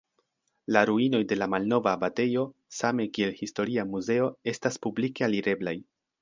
La ruinoj de la malnova abatejo same kiel historia muzeo estas publike alireblaj.